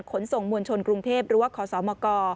ขนส่งมวลชนกรุงเทพรั้วขสมก